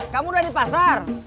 kamu udah di pasar